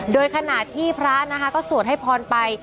โดยขณะที่พระนะคะก็สวดให้พรไป